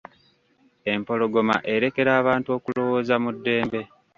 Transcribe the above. Empologoma erekera abantu okulowooza mu ddembe.